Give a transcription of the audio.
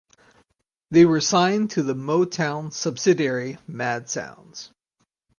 They were signed to the Motown subsidiary Mad Sounds.